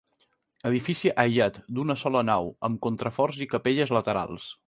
Edifici aïllat, d'una sola nau, amb contraforts i capelles laterals.